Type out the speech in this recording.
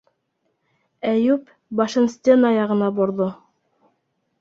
- Әйүп башын стена яғына борҙо.